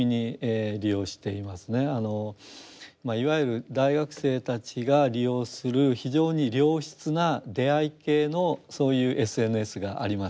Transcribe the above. いわゆる大学生たちが利用する非常に良質な出会い系のそういうＳＮＳがあります。